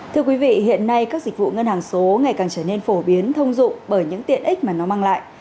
thưa quý vị hiện nay các dịch vụ ngân hàng số ngày càng trở nên phổ biến thông dụng bởi những tiện ích mà nó mang lại